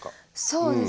そうですね。